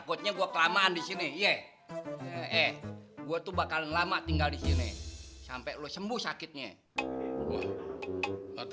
gue tuh bakalan lama tinggal disini sampai lo sembuh sakitnya